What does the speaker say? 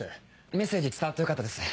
メッセージ伝わってよかったです。